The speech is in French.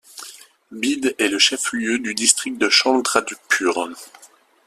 Bid est le chef lieu du District de Chandrapur.